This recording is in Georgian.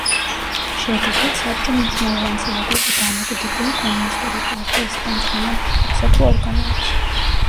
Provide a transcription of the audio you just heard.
შედეგად საბჭო მნიშვნელოვან წილად იყო დამოკიდებული კომუნისტური პარტიის ხელმძღვანელ პირებსა, თუ ორგანოებზე.